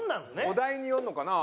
お題によるのかな。